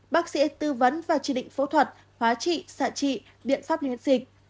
bác sĩ tư vấn và chỉ định phẫu thuật hóa trị xạ trị biện pháp miễn dịch